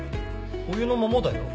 お湯のままだよ。